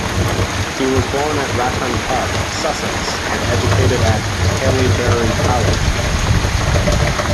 He was born at Ratton Park, Sussex, and educated at Haileybury College.